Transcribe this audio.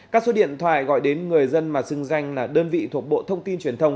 các số điện thoại gọi đến người dân mà xưng danh là đơn vị thuộc bộ thông tin truyền thông